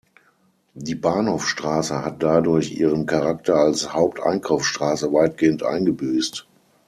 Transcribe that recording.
Die Bahnhofstraße hat dadurch ihren Charakter als Haupteinkaufsstraße weitgehend eingebüßt.